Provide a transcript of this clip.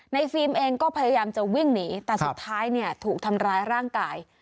ฟิล์มเองก็พยายามจะวิ่งหนีแต่สุดท้ายเนี่ยถูกทำร้ายร่างกาย